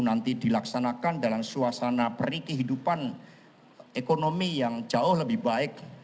nanti dilaksanakan dalam suasana peri kehidupan ekonomi yang jauh lebih baik